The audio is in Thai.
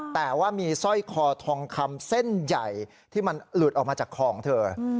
แต่ว่ามีสร้อยคอทองคำเส้นใหญ่ที่มันหลุดออกมาจากคอของเธอ